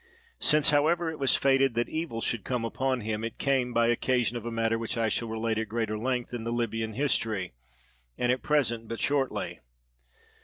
Since however it was fated that evil should come upon him it came by occasion of a matter which I shall relate at greater length in the Libyan history, and at present but shortly.